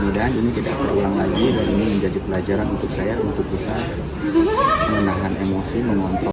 mudah mudahan ini tidak terulang lagi dan ini menjadi pelajaran untuk saya untuk bisa menahan emosi mengontrol